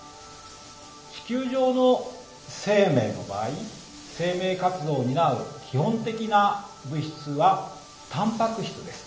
地球上の生命の場合生命活動を担う基本的な物質はタンパク質です。